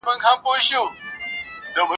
دلته خلک په پردي آذان ویښیږي !.